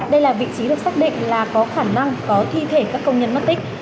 đây là vị trí được xác định là có khả năng có thi thể các công nhân mất tích